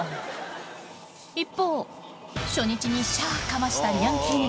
一方初日にシャかましたニャンキー猫